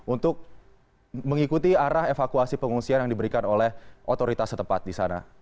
untuk mengikuti arah evakuasi pengungsian yang diberikan oleh otoritas setempat di sana